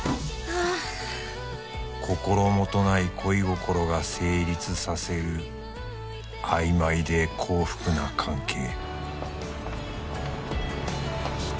ああ「心もとない恋心が成立させる」「曖昧で幸福な関係」